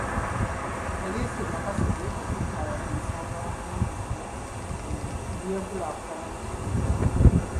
Poliisi e Nakaseke ekutte abantu musanvu abavunaanyizibwa ku by'enkulaakulana mu kitundu kino .